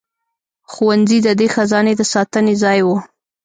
ښوونځي د دې خزانې د ساتنې ځای وو.